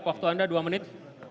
waktu anda dua menit